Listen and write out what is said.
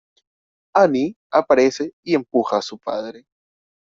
Annie aparece y empuja a su padre.